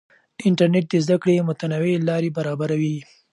انټرنیټ د زده کړې متنوع لارې برابروي.